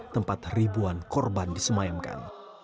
tempat ribuan korban disemayamkan